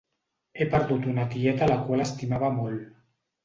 He perdut una tieta a la qual estimava molt.